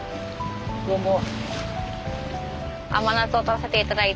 どうも。